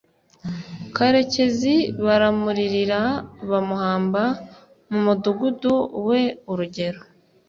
Karekezi baramuririra bamuhamba mu mudugudu we urugero